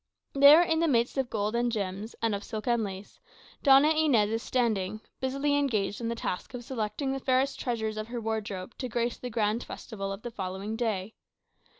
There, in the midst of gold and gems, and of silk and lace, Doña Inez is standing, busily engaged in the task of selecting the fairest treasures of her wardrobe to grace the grand festival of the following day.